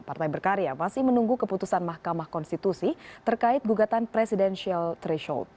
partai berkarya masih menunggu keputusan mahkamah konstitusi terkait gugatan presiden sheldt rischold